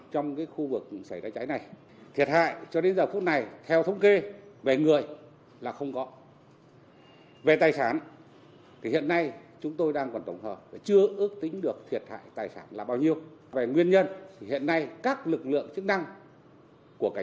trong thời gian này các lực lượng chức năng của cảnh sát phòng cháy cháy